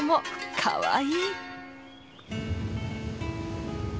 かわいい！